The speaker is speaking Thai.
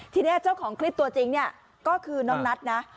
ทีนี้เจ้าของคลิปตัวจริงเนี่ยก็คือน้องนัทนะ